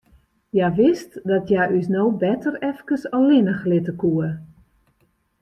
Hja wist dat hja ús no better efkes allinnich litte koe.